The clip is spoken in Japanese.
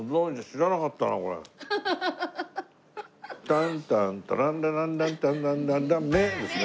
「タンタンタランラランランタンタンタンタンめッ！」ですね。